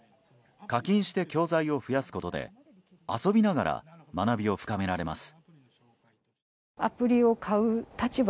課金して教材を増やすことで遊びながら学びを深められます。